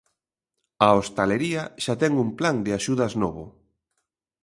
A hostalería xa ten un plan de axudas novo.